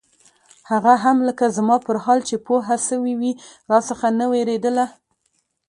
هغه هم لکه زما پر حال چې پوهه سوې وي راڅخه نه وېرېدله.